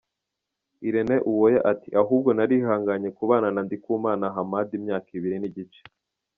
Irene Uwoya ati “Ahubwo narihanganye kubana na Ndikumana Hamad imyaka ibiri n’igice”.